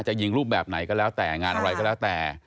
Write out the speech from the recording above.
จะยิงรูปแบบไหนก็แล้วแต่งานอะไรก็แล้วแต่